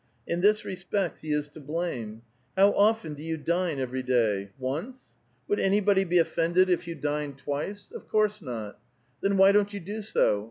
In this respect he is to blame. How often do you dine every day ? Once ? Would anybody be offenden if you A VITAL QUESTION. 307 clined twice ? Of course not. Then why don't you do so